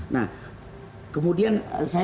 nah kemudian saya